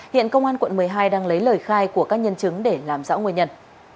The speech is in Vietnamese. hiện công an quận một mươi hai đang lấy lời khai của các nhân chứng để làm rõ nguyên nhân